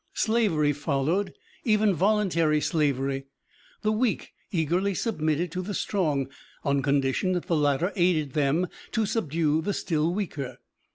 Slavery followed, even voluntary slavery; the weak eagerly submitted to the strong, on condition that the latter aided them to subdue the still weaker.